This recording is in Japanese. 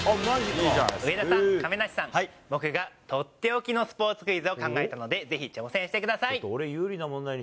上田さん、亀梨さん、僕が取って置きのスポーツクイズを考えたので、ぜひ挑戦してください。